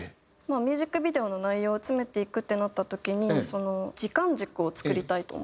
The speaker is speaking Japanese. ミュージックビデオの内容を詰めていくってなった時にその時間軸を作りたいと思って。